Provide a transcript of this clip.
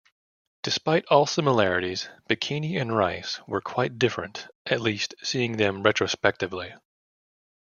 Despite all similarities, Bikini and Rice were quite different, at least, seeing them retrospectively.